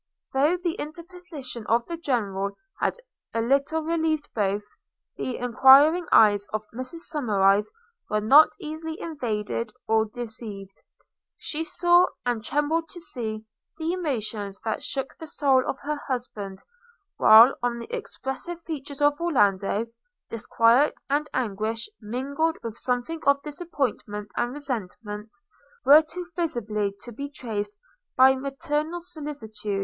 Though the interposition of the General had a little relieved both, the enquiring eyes of Mrs Somerive were not easily evaded or deceived: she saw, and trembled to see, the emotions that shook the soul of her husband; while, on the expressive features of Orlando, disquiet and anguish, mingled with something of disappointment and resentment, were too visibly to be traced by maternal solicitude.